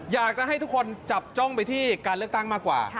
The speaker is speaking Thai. อยากจะให้ทุกคนจับจ้องไปที่การเลือกตั้งมากกว่า